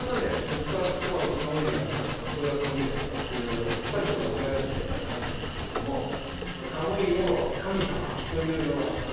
ここからここはカムイじゃないとかこれはカムイだとかっていうのはすっぱりと分けられるものではないんですけれどもカムイを「神様」というのはなんだと。